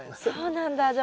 そうなんだ。